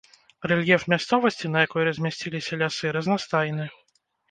Рэльеф мясцовасці, на якой размясціліся лясы, разнастайны.